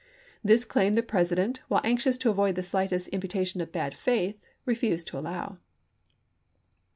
This claim the President, while anxious to avoid the slightest im putation of bad faith, refused to allow.